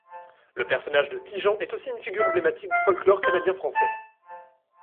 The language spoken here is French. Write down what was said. Le personnage de Ti-Jean est aussi une figure emblématique du folklore canadien-français.